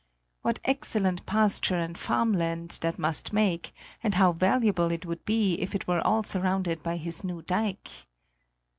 What excellent pasture and farm land that must make and how valuable it would be if it were all surrounded by his new dike!